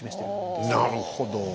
なるほど。